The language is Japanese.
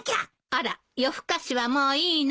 あら夜更かしはもういいの？